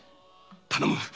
頼む。